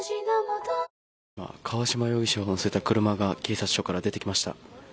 川島容疑者を乗せた車が警察署から出てきました。